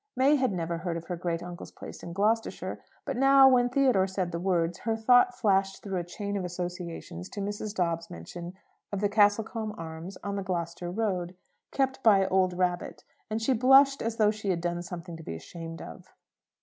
May had never heard of her great uncle's place in Gloucestershire; but now, when Theodore said the words, her thought flashed through a chain of associations to Mrs. Dobbs's mention of the Castlecombe Arms on the Gloucester Road, kept by "Old Rabbitt," and she blushed as though she had done something to be ashamed of.